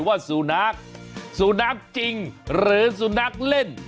สูนักสูนักจริงหรือสุนัขเล่น